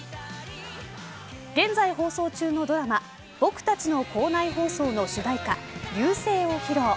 現在放送中のドラマ僕たちの校内放送の主題歌流声を披露。